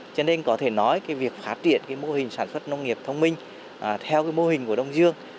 cho nên có thể nói cái việc phát triển cái mô hình sản xuất nông nghiệp thông minh theo mô hình của đông dương